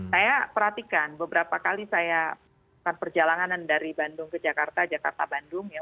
saya perhatikan beberapa kali saya perjalanan dari bandung ke jakarta jakarta bandung ya